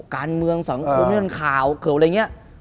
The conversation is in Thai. การเมืองสวัสดีโครงเรียนข่าวเคราะห์อะไรอย่างนี้